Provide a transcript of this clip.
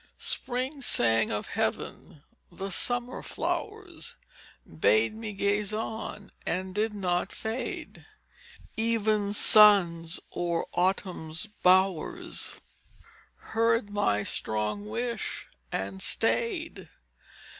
_ _Spring sang of heaven; the summer flowers Bade me gaze on, and did not fade; Even suns o'er autumn's bowers Heard my strong wish, and stay'd.